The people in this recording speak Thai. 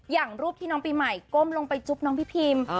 อย่างรูปที่น้องปีใหม่ก้มลงไปจุ๊บน้องพี่พิม